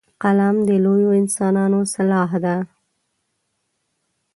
قلم د لویو انسانانو سلاح ده